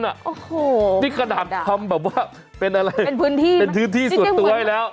โอ้โฮราดอะนี่กระดานทำเป็นอะไรเป็นพื้นที่เป็นพื้นที่ส่วนตัวทำด้วยแล้ว